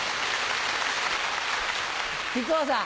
木久扇さん。